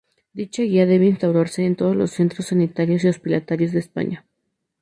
Dicha guía debe instaurarse en todos los centros sanitarios y hospitalarios de España.